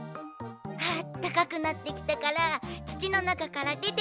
あったかくなってきたからつちのなかからでてきたの。